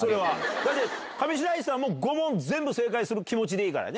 だって、上白石さんも５問全部正解する気持ちでいいからね。